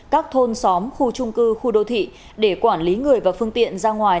các thôn xóm khu trung cư khu đô thị để quản lý người và phương tiện ra ngoài